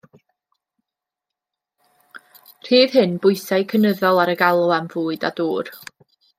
Rhydd hyn bwysau cynyddol ar y galw am fwyd a dŵr.